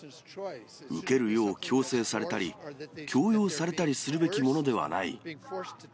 受けるよう強制されたり、強要されたりするべきものではない。